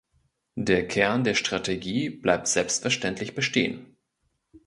Der Kern der Strategie bleibt selbstverständlich bestehen.